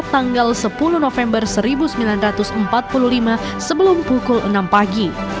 tanggal sepuluh november seribu sembilan ratus empat puluh lima sebelum pukul enam pagi